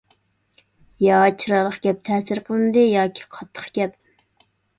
يا چىرايلىق گەپ تەسىر قىلمىدى، ياكى قاتتىق گەپ.